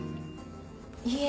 いえ。